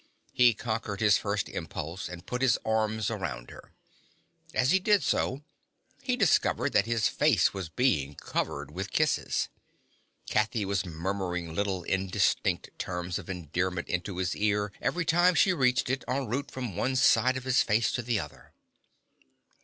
He conquered his first impulse and put his arms around her. As he did so, he discovered that his face was being covered with kisses. Kathy was murmuring little indistinct terms of endearment into his ear every time she reached it en route from one side of his face to the other.